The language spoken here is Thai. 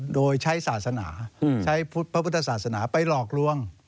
โดยใช้ภาพพุทธศาสนาไปหลอกล้วง